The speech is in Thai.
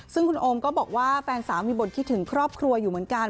ซึ่งคุณโอมก็บอกว่าแฟนสาวมีบทคิดถึงครอบครัวอยู่เหมือนกัน